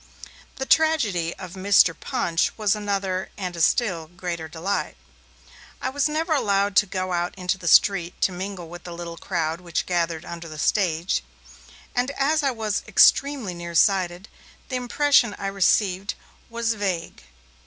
The tragedy of Mr. Punch was another, and a still greater delight. I was never allowed to go out into the street to mingle with the little crowd which gathered under the stage, and as I was extremely near sighted, the impression I received was vague.